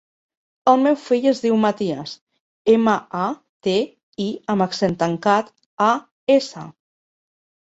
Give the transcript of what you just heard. El meu fill es diu Matías: ema, a, te, i amb accent tancat, a, essa.